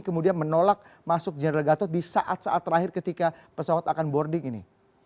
kemudian menolak masuk general gatot di saat saat terakhir ketika pesawat akan boarding ini